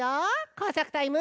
こうさくタイム。